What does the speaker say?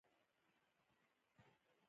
مخ او دواړو څنګونو ته یې پام کاوه.